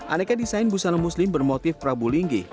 aneka desain busana muslim bermotif prabu linggi